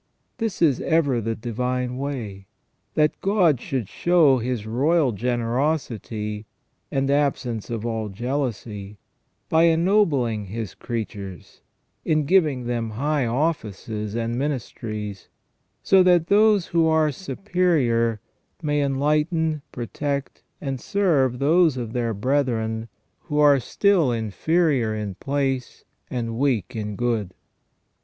This is ever the divine way, that God should show His royal generosity and absence of all jealousy, by ennobling His creatures, in giving them high offices and ministries, so that those who are superior may enlighten, protect, and serve those of their brethren who are still inferior in place and weak in good.